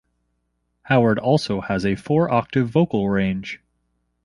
Howard also has a four octave vocal range.